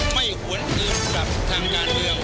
ไม่หวนอื่นกับทางงานเดียว